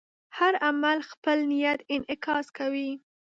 هر عمل خپل نیت انعکاس کوي.